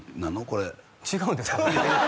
これ違うんですか？